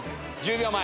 １０秒前！